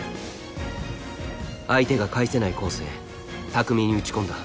相手が返せないコースへ巧みに打ち込んだ。